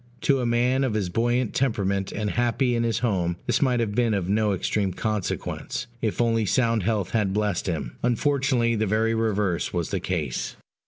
To a man of his buoyant temperament, and happy in his home, this might have been of no extreme consequence, if only sound health had blessed him: unfortunately, the very reverse was the case.